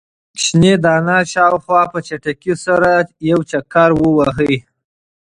ماشوم د انا شاوخوا په چټکۍ سره یو چکر وواهه.